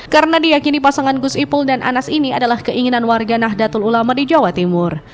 karena diyakini pasangan gus ipul dan anas ini adalah keinginan warga nahdlatul ulama di jawa timur